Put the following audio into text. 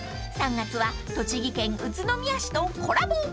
［３月は栃木県宇都宮市とコラボ］